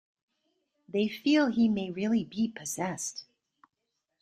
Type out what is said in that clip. They feel he may really be 'possessed'.